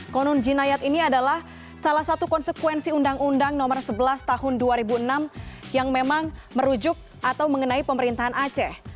konun jinayat ini adalah salah satu konsekuensi undang undang nomor sebelas tahun dua ribu enam yang memang merujuk atau mengenai pemerintahan aceh